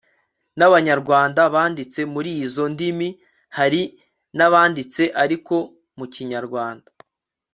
n'abanyarwanda banditse muri izo ndimi. hari n'abanditse ariko mu kinyarwanda